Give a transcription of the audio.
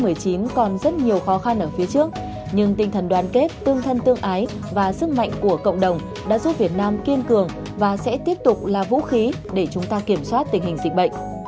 covid một mươi chín còn rất nhiều khó khăn ở phía trước nhưng tinh thần đoàn kết tương thân tương ái và sức mạnh của cộng đồng đã giúp việt nam kiên cường và sẽ tiếp tục là vũ khí để chúng ta kiểm soát tình hình dịch bệnh